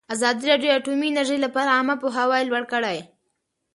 ازادي راډیو د اټومي انرژي لپاره عامه پوهاوي لوړ کړی.